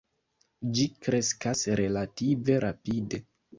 Ĝi kreskas relative rapide.